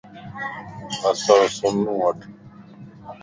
بسر سنووڍ